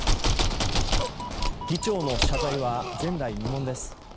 議長の謝罪は前代未聞です。